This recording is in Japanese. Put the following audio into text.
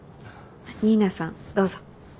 新名さんどうぞ。